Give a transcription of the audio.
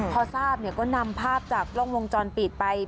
พอทราบก็นำภาพจากกล้องวงจรปิดไป